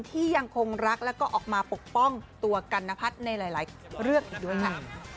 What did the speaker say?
ที่ยังคงรักแล้วก็ออกมาปกป้องตัวกันนพัฒน์ในหลายเรื่องอีกด้วยค่ะ